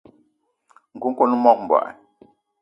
Nku kwan o mog mbogui.